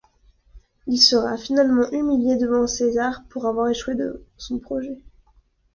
Il sera finalement humilié devant César pour avoir échoué dans son projet.